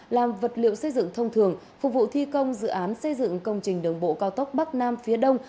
làm vật liệu xây dựng thông thường phục vụ thi công dự án xây dựng công trình đường bộ cao tốc bắc nam phía đông